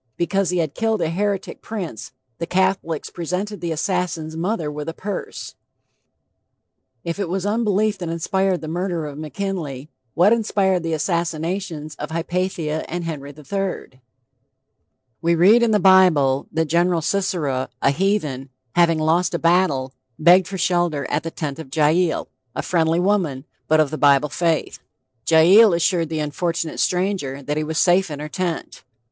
Because he had killed a heretic prince, the Catholics presented the assassin's mother with a purse. (Esprit de la Ligue I. III. P. 14.) If it was unbelief that inspired the murder of McKinley, what inspired the assassins of Hypatia and Henry III? We read in the Bible that Gen. Sisera, a heathen, having lost a battle, begged for shelter at the tent of Jael, a friendly woman, but of the Bible faith. Jael assured the unfortunate stranger that he was safe in her tent.